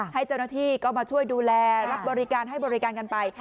ให้เจ้าหน้าที่ก็มาช่วยดูแลรับบริการให้บริการกันไป